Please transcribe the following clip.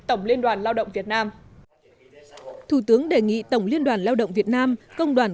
tổng liên đoàn lao động việt nam thủ tướng đề nghị tổng liên đoàn lao động việt nam công đoàn